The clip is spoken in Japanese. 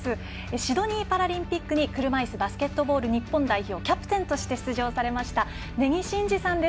シドニーパラリンピックに車いすバスケットボール日本代表キャプテンとして出場されました根木慎志さんです。